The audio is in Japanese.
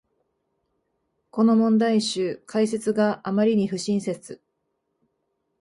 この問題集、解説があまりに不親切